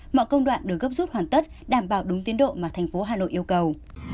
mọi công đoạn được gấp rút hoàn tất đảm bảo đúng tiến độ mà thành phố hà nội yêu cầu